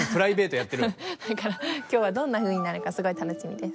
だから今日はどんなふうになるかすごい楽しみです。